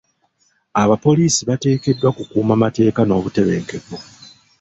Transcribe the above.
Abapoliisi bateekeddwa kukuuma mateeka n'obutebenkevu.